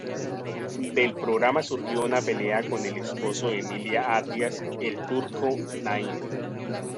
Del programa surgió una pelea con el esposo de Emilia Attias, el Turco Naim.